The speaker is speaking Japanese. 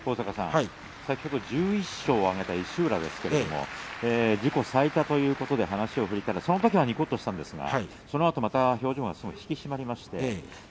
先ほど１１勝を挙げた石浦ですけれど、自己最多ということで話を聞いたらそのときはにこっとしたんですがまたそのあと表情が引き締まりました。